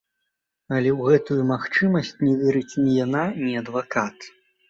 Але ў гэтую магчымасць не верыць ні яна, ні адвакат.